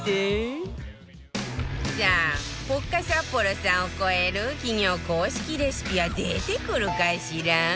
さあポッカサッポロさんを超える企業公式レシピは出てくるかしら？